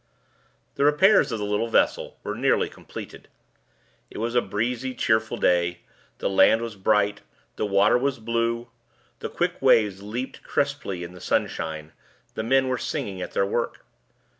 The repairs of the little vessel were nearly completed. It was a breezy, cheerful day; the land was bright, the water was blue, the quick waves leaped crisply in the sunshine, the men were singing at their work.